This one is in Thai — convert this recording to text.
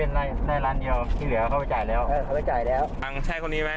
ที่เหลือเข้าไปจ่ายแล้วเข้าไปจ่ายแล้วคุณฟังใช่คนนี้ไหม